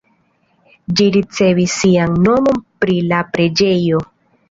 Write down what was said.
Ĝi ricevis sian nomon pri la preĝejo.